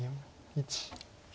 １。